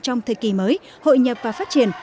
trong thời kỳ mới hội nhập và phát triển